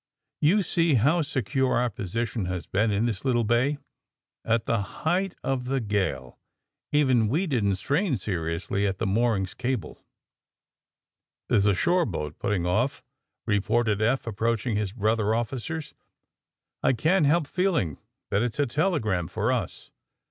^'You see how secure our position has been in this little bay. At the height of the gale, even, we didn't strain seriously at the moorings cable." ^* There's a shore boat putting off," reported 110 THE SUBMAEINE BOYS Eph, approacliing his brother officers. ''I can^t help feeling that it's a telegram for us.''